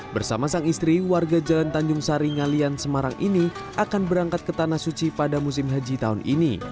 bersama sang istri warga jalan tanjung sari ngalian semarang ini akan berangkat ke tanah suci pada musim haji tahun ini